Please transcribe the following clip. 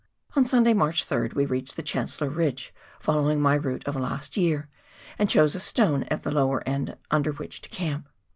On Sunday, March 3rd, we reached the Chancellor Ridge, following my route of last year, and chose a stone at the lower end under which to camp.